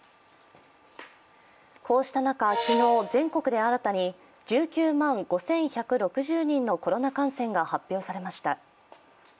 こうした中、昨日、全国で新たに１９万５１６０人のコロナ感染が発表されました。